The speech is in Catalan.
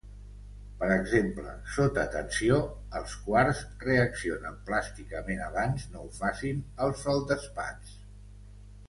Per exemple, sota tensió, el quars reacciona plàsticament abans no ho facin els feldespats.